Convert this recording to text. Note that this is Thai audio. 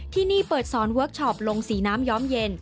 ที่นี่เปิดสอนเวิร์คชอปลงสีน้ำย้อมเย็น